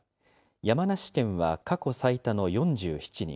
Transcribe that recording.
山梨県は過去最多の４７人。